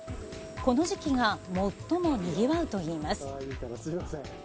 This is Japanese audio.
この時期が最もにぎわうといいます。